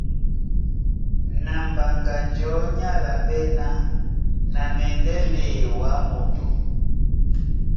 Na Mbaŋganjɔ̌ ní álaɓɛ́ ná : Na mɛndɛ́ léɛ wǎ moto.